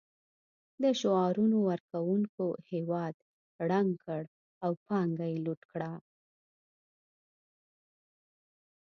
د شعارونو ورکونکو هېواد ړنګ کړ او پانګه یې لوټ کړه